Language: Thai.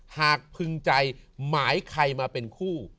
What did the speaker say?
พึงใจหมายใครมาเป็นคู่